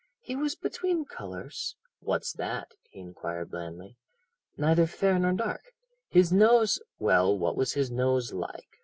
"He was between colours." "What's that?" he inquired blandly. "Neither fair nor dark his nose " "Well, what was his nose like?